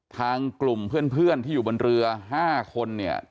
ทางกลุ่มเพื่อนที่อยู่บนเรือ๕คนเนี่ย